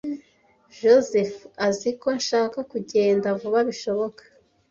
Joseph azi ko nshaka kugenda vuba bishoboka.